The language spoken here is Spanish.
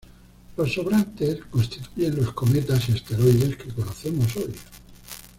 Los sobrantes constituyen los cometas y asteroides que conocemos hoy.